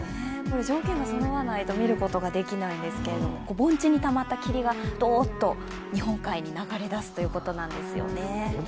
条件がそろわないと見ることができないんですけれども、盆地にたまった霧がどーっと日本海に流れ出すということなんです。